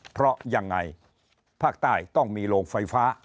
เพราะยังไงภาคใต้ต้องมีโรงไฟฟ้า